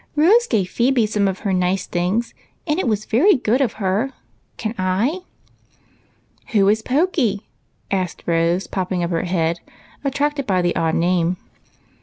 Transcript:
Rose gave Phebe some of her nice things, and it was very good of her. Can I?" " Who is Pokey ?" asked Rose, popjnng up her head, attracted by the odd name.